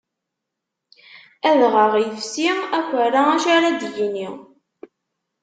Adɣaɣ ifsi, akerra acu ar ad d-yini.